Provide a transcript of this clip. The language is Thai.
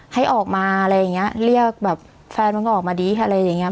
ให้ออกมาอะไรอย่างเงี้ยเรียกแบบแฟนมึงออกมาดิอะไรอย่างเงี้